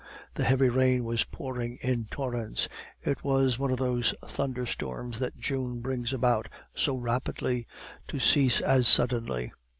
The heavy rain was pouring in torrents; it was one of those thunderstorms that June brings about so rapidly, to cease as suddenly.